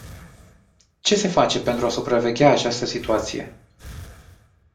Ce se face pentru a supraveghea această situație?